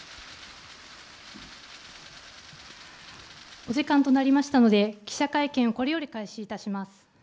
お時間となりましたので、記者会見をこれより開始いたします。